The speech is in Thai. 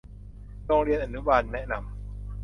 โรงเรียนอนุบาลแนะนำ